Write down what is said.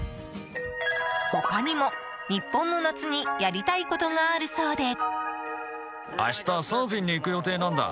他にも、日本の夏にやりたいことがあるそうで。